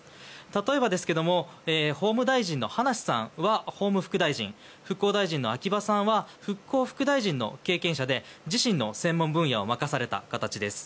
例えば、法務大臣の葉梨さんは法務副大臣復興大臣の秋葉さんは復興副大臣の経験者で自身の専門分野を任された形です。